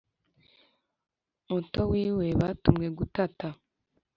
muto wiwe batumwe gutata